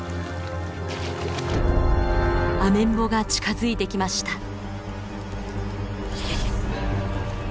アメンボが近づいてきました。